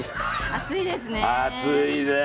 暑いですね。